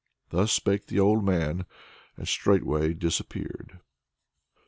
Thus spake the old man, and straightway disappeared.